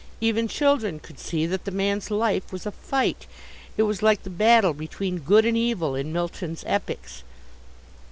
Even children could see that the man's life was a fight. It was like the battle between Good and Evil in Milton's epics.